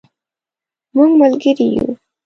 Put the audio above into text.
مونږ ملګري یو